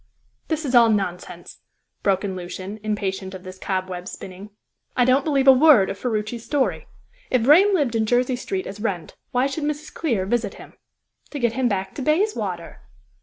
"This is all nonsense!" broke in Lucian, impatient of this cobweb spinning. "I don't believe a word of Ferruci's story. If Vrain lived in Jersey Street as Wrent, why should Mrs. Clear visit him?" "To get him back to Bayswater."